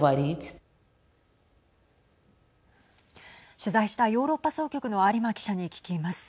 取材したヨーロッパ総局の有馬記者に聞きます。